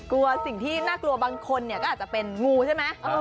กลัวสิ่งที่น่ากลัวบางคนเนี่ยก็อาจจะเป็นงูใช่ไหม